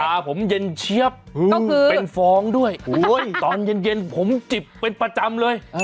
ผมเย็นเชียบเป็นฟ้องด้วยตอนเย็นผมจิบเป็นประจำเลย